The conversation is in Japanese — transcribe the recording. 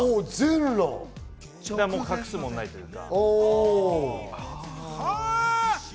隠すものないというか。